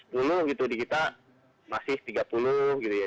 dulu gitu di kita masih tiga puluh gitu ya